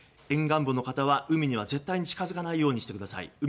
沿岸部の方は海には絶対に近づかないようにしてください。